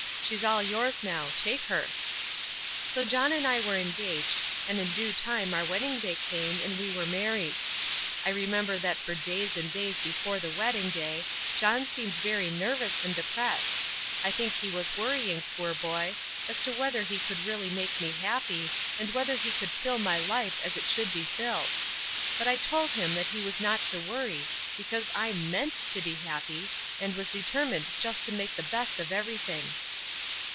"She's all yours now, take her." So John and I were engaged, and in due time our wedding day came and we were married. I remember that for days and days before the wedding day John seemed very nervous and depressed; I think he was worrying, poor boy, as to whether he could really make me happy and whether he could fill my life as it should be filled. But I told him that he was not to worry, because I meant to be happy, and was determined just to make the best of everything.